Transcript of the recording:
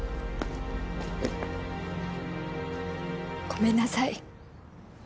ごめんなさい。